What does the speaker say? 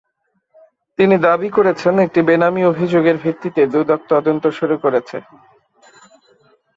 তিনি দাবি করেছেন, একটি বেনামি অভিযোগের ভিত্তিতে দুদক তদন্ত শুরু করেছে।